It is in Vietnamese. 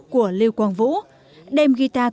của lưu quang vũ đêm guitar